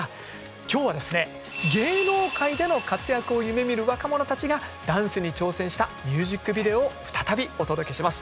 今日はですね芸能界での活躍を夢見る若者たちがダンスに挑戦したミュージックビデオを再びお届けします。